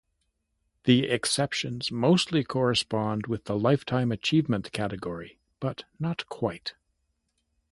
The exceptions mostly correspond with the lifetime achievement category, but not quite.